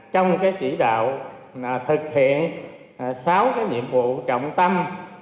trong cái chỉ đạo thực hiện sáu cái nhiệm vụ trọng tâm hai nghìn hai mươi